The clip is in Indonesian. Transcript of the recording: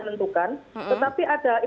untuk selanggaran kita selama empat belas hari